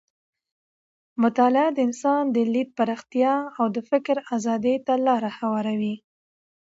مطالعه د انسان د لید پراختیا او د فکر ازادۍ ته لاره هواروي.